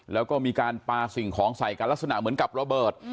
แล้วก็มีการปลาสิ่งของใส่กันลักษณะเหมือนกับระเบิด